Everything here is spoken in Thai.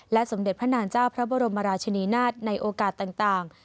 สมเด็จพระนางเจ้าพระบรมราชนีนาฏในโอกาสต่าง